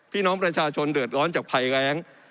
พี่น้องประชาชนเดือดร้อนจากภัยแรง